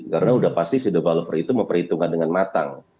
karena sudah pasti si developer itu memperhitungkan dengan matang